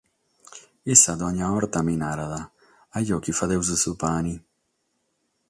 Issa ònnia borta mi narat: "Ajò chi faghimus su pane".